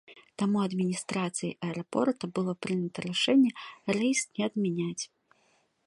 Таму адміністрацыяй аэрапорта было прынята рашэнне рэйс не адмяняць.